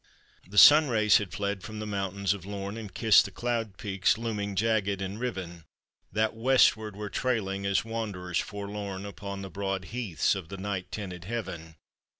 The sun rays had fled from the mountains of Lorn, And kissed the cloud peaks looming jagged and riven, That westward were trailing as wanderers forlorn Upon the broad heaths of the night tinted heaven.